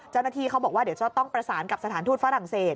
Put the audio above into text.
เจ้าหน้าที่เขาบอกว่าเดี๋ยวจะต้องประสานกับสถานทูตฝรั่งเศส